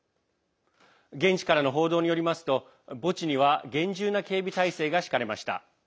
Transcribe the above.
現地からの報道によりますと墓地には厳重な警備態勢が敷かれました。